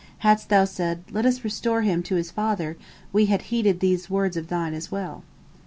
Hadst thou said, Let us restore him to his father, we had heeded these words of thine as well."